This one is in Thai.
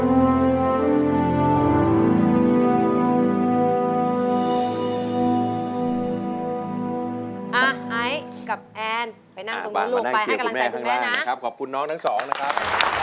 ไอซ์กับแอนไปนั่งตรงนี้ลูกไปให้กำลังใจคุณแม่นะครับขอบคุณน้องทั้งสองนะครับ